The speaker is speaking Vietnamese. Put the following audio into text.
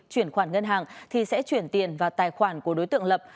chuyển khoản ngân hàng thì sẽ chuyển tiền vào tài khoản của đối tượng lập